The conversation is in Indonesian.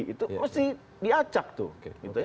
itu mesti diacak tuh